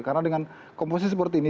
karena dengan komposisi seperti ini